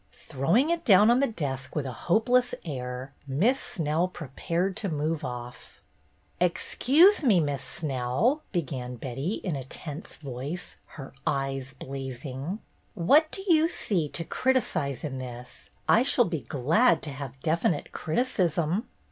Throwing it down on the desk with a hope less air. Miss Snell prepared to move oflf. "Excuse me. Miss Snell," began Betty, in a tense voice, her eyes blazing. "What do you see to criticise in this ? I shall be glad to have definite criticism."